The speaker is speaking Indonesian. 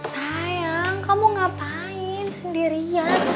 sayang kamu ngapain sendirian